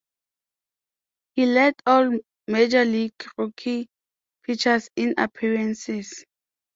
He led all Major League rookie pitchers in appearances.